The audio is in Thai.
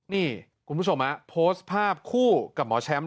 นี่คุณผู้ชมโพสต์ภาพคู่กับหมอแชมป์